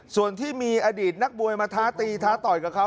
ส่วนที่มีอดีตนักมวยมาท้าตีท้าต่อยกับเขา